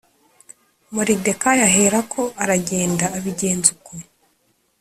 Moridekayi aherako aragenda abigenza uko